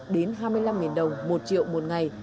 năm đồng một triệu một ngày